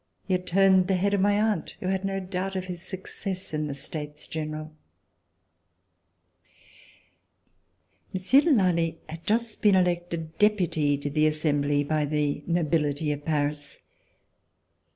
He had turned the head of my aunt who had no doubt of his success in the States General. Monsieur de Lally had just been elected Deputy to the Assembly by the nobility of Paris.